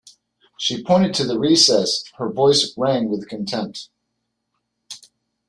She pointed to the recess; her voice rang with contempt.